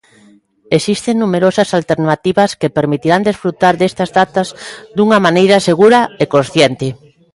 Existen numerosas alternativas que permitirán desfrutar destas datas dunha maneira segura e consciente.